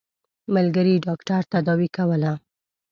ملګري ډاکټر تداوي کوله.